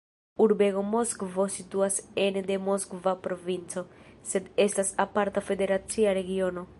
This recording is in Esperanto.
Urbego Moskvo situas ene de Moskva provinco, sed estas aparta federacia regiono.